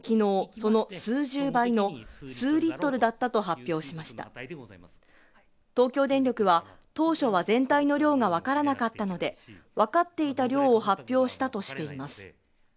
その数十倍の数リットルだったと発表しました東京電力は当初は全体の量がわからなかったので分かっていた量を発表したとしています